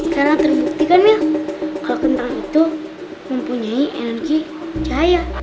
karena terbuktikan mil kalau kentang itu mempunyai energi cahaya